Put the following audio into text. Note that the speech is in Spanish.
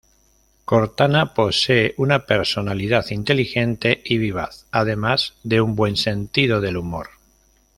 Cortana posee una personalidad inteligente y vivaz, además de un buen sentido del humor.